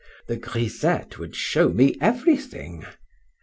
The grisette would show me everything.